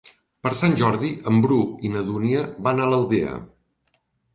Per Sant Jordi en Bru i na Dúnia van a l'Aldea.